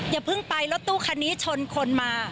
อย่าเพิ่งไปรถตู้คันนี้ชนคนมา